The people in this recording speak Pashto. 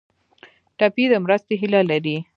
ټپي د مرستې هیله لري.